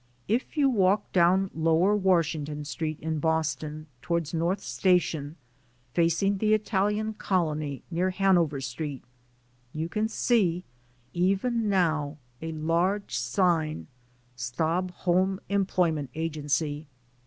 If you walk down lower Washington Street in Boston, toward North Station, facing the Italian colony, near Hanover Street you can see, even now, a large sign, "Stobhom Employment Agency."